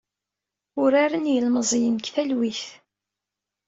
Uraren yilmeẓyen deg talwit.